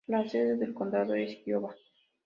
La sede del condado es Kiowa.